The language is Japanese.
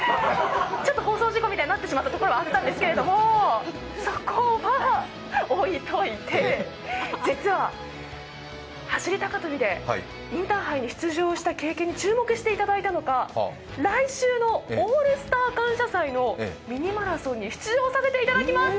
ちょっと放送事故みたいになってしまったところはあったんですけどそこは置いといて、実は走り高跳びでインターハイに出場した経験に注目していただいたのか、来週の「オールスター感謝祭」のミニマラソンに出場させていただきます！